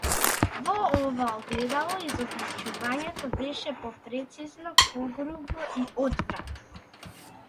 Во ова огледало изобличувањето беше попрецизно, погрубо, и одвратно.